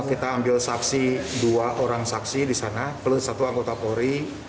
kita ambil saksi dua orang saksi di sana plus satu anggota polri